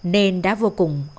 nên đã vô cùng hối hận